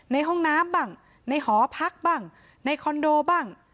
ในห้องน้ำบ้างในหอพักบ้างในคอนโดบ้าง